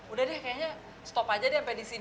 udah deh kayaknya stop aja deh